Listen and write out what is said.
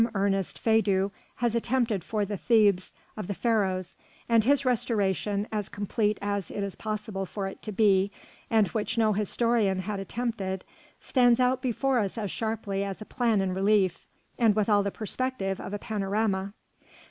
Ernest Feydeau has attempted for the Thebes of the Pharaohs, and his restoration, as complete as it is possible for it to be, and which no historian had attempted, stands out before us as sharply as a plan in relief, and with all the perspective of a panorama.